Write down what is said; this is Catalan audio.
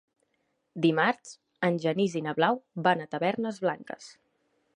Dimarts en Genís i na Blau van a Tavernes Blanques.